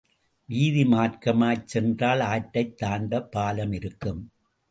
வீதி மார்க்கமாய்ச் சென்றால், ஆற்றைத் தாண்டப் பாலம் இருக்கும்.